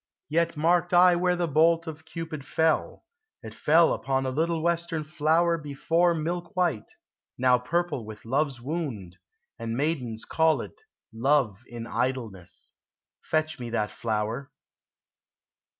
Yet marked I where the bolt of Cupid fell : It fell upon a little western flower Before milk white, now purple with love's wound, And maidens call it Love in idleness. Fetch me that flower.